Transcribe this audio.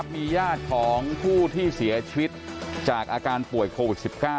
มีญาติของผู้ที่เสียชีวิตจากอาการป่วยโควิด๑๙